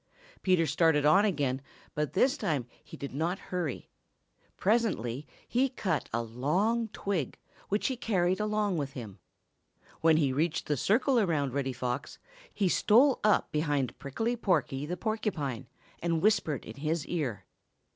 Peter started on again, but this time he did not hurry. Presently he cut a long twig, which he carried along with him. When he reached the circle around Reddy Fox, he stole up behind Prickly Porky the Porcupine and whispered in his ear.